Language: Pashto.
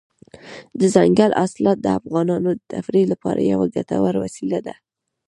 دځنګل حاصلات د افغانانو د تفریح لپاره یوه ګټوره وسیله ده.